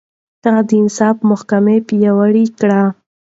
هغه د انصاف محکمه پياوړې کړه.